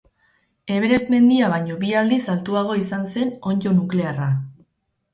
Everest mendia baino bi aldiz altuagoa izan zen onddo nuklearra.